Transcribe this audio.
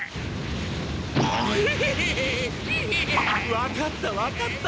分かった分かった。